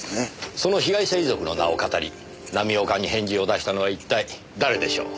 その被害者遺族の名をかたり浪岡に返事を出したのは一体誰でしょう？